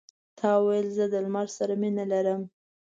تا ویل زه د لمر سره مینه لرم.